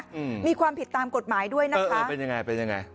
อืมมีความผิดตามกฎหมายด้วยนะคะเออเป็นยังไงเป็นยังไง